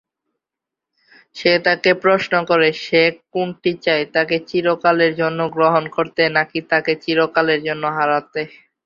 সে তাকে প্রশ্ন করে যে সে কোনটি চাই, তাকে চিরকালের জন্য গ্রহণ করতে নাকি তাকে চিরকালের জন্য হারাতে।